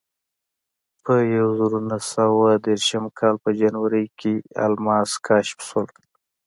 په یوه زرو نهه سوه دېرشم کال په جنورۍ کې الماس کشف شول.